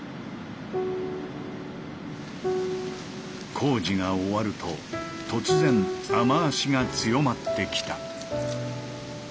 工事が終わると突然雨足が強まってきた。